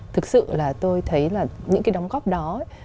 thực sự là tôi thấy là những cái đóng góp đó